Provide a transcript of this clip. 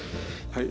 はい。